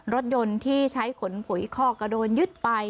รถยนต์ที่ใช้ขนผุยข้อกระโดนยึดไป